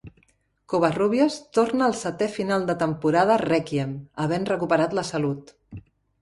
Covarrubias torna al setè final de temporada "Rèquiem", havent recuperat la salut.